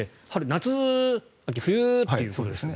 夏、秋冬という。